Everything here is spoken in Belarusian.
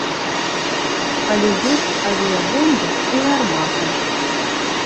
Але ёсць авіябомба і гармата.